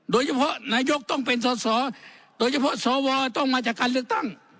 นายกต้องเป็นสอสอโดยเฉพาะสวต้องมาจากการเลือกตั้ง